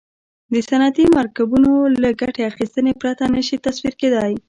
د صنعتي مرکبونو له ګټې اخیستنې پرته نه شي تصور کیدای.